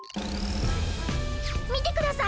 みてください！